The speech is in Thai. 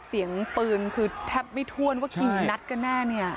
เสียงปืนคือแทบไม่ถ้วนว่ากี่นัดกันแน่เนี่ย